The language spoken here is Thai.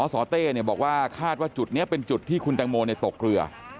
สเต้บอกว่าคาดว่าจุดนี้เป็นจุดที่คุณแตงโมตกเรือ